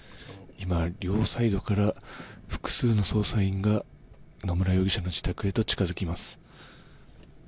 両サイドから複数の捜査員が野村容疑者の自宅に近づきます。